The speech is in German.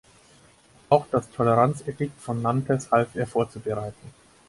Auch das Toleranzedikt von Nantes half er vorzubereiten.